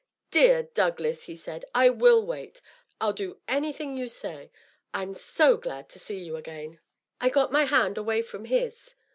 " Dear Douglas ! he said, " I wiU wait. I'll do any thing you say ! I'm so glad to see you again !" I got my hand away from his.